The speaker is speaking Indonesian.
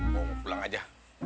mau pulang aja